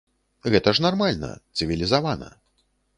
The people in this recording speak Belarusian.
Гэта ж нармальна, цывілізавана.